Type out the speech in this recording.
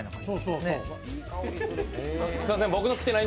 すみません。